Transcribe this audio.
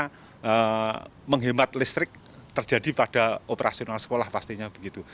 karena menghemat listrik terjadi pada operasional sekolah pastinya begitu